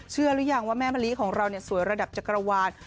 เชื่อหรือยังว่าแม่มะลิของเราเนี่ยสวยระดับจักรวาล